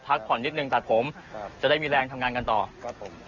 พักผ่อนนิดนึงตัดผมครับจะได้มีแรงทำงานกันต่อครับผม